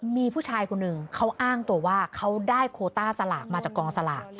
มีผู้ชายคนหนึ่งเขาอ้างตัวว่าเขาได้โคต้าสลากมาจากกองสลาก